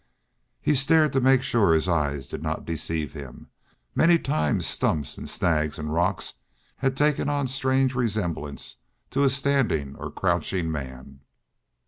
He stared to make sure his eyes did not deceive him. Many times stumps and snags and rocks had taken on strange resemblance to a standing or crouching man.